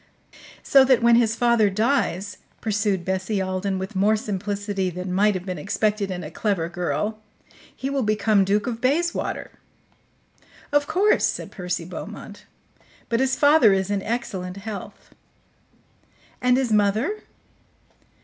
"So that when his father dies," pursued Bessie Alden with more simplicity than might have been expected in a clever girl, "he will become Duke of Bayswater?" "Of course," said Percy Beaumont. "But his father is in excellent health." "And his mother?"